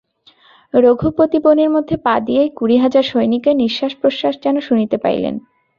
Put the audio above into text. রঘুপতি বনের মধ্যে পা দিয়াই কুড়ি হাজার সৈনিকের নিশ্বাস-প্রশ্বাস যেন শুনিতে পাইলেন।